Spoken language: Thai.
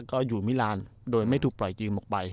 ก็อยู่มิลานโดยไม่ถูกปล่อยยืมออกไป